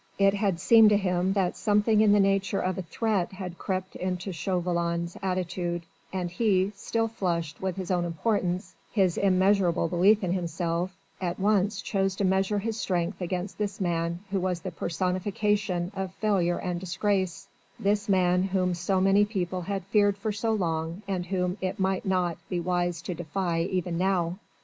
It had seemed to him that something in the nature of a threat had crept into Chauvelin's attitude, and he, still flushed with his own importance, his immeasurable belief in himself, at once chose to measure his strength against this man who was the personification of failure and disgrace this man whom so many people had feared for so long and whom it might not be wise to defy even now.